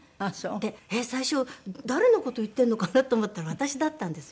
で最初誰の事言ってるのかな？と思ったら私だったんですよ。